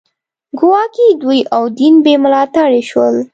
ګواکې دوی او دین بې ملاتړي شول